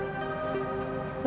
gue udah move on dari lama maik